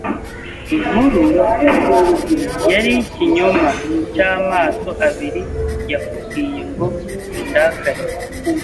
Inkuru yari ikinyoma cyamaso abiri yakubwiye ngo undakarire.